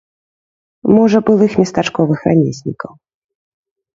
Можа, былых местачковых рамеснікаў.